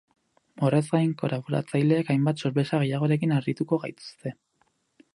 Horrez gain, kolaboratzaileek hainbat sorpresa gehiagorekin harrituko gaituzte.